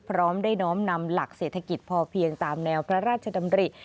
พร้อมได้น้อมนำหลักเศรษฐกิจพอเพียงตามแนวพระราชดำริ